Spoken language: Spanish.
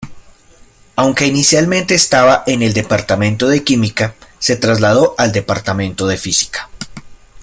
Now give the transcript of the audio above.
Aunque inicialmente estaba en el Departamento de Química, se trasladó al Departamento de Física.